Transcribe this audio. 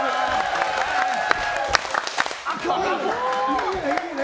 いいね、いいね！